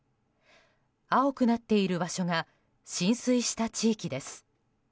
青くなっている場所が浸水した地域です。